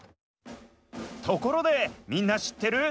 ところでみんなしってる？